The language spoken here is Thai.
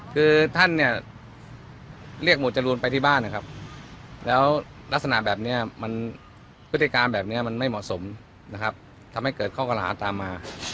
คือท่านเรียกหมู่จรูนไปที่บ้านแล้วลักษณะแบบนี้พฤติการแบบนี้มันไม่เหมาะสมทำให้เกิดข้อคอรหาตามมา